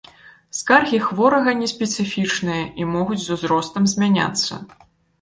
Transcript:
Скаргі хворага неспецыфічныя і могуць з узростам змяняцца.